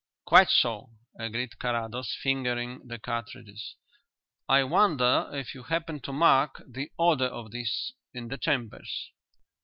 "Quite so," agreed Carrados, fingering the cartridges. "I wonder if you happened to mark the order of these in the chambers?"